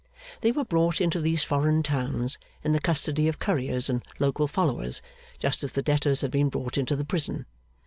They were brought into these foreign towns in the custody of couriers and local followers, just as the debtors had been brought into the prison.